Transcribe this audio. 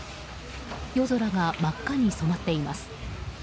夜空が真っ赤に染まっています。